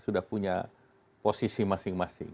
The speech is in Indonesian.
sudah punya posisi masing masing